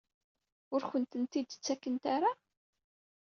Ur akent-tent-id-ttakent ara?